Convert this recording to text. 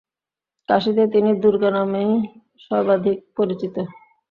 কাশীতে তিনি দুর্গা নামেই সমধিক পরিচিত।